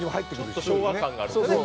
ちょっと昭和感があるんでね。